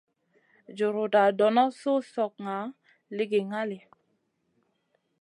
Juruda dono suh slokŋa ligi ŋali.